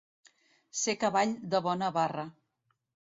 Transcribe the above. Ser cavall de bona barra.